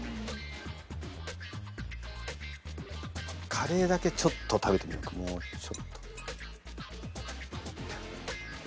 カレーだけちょっと食べてみようかもうちょっと。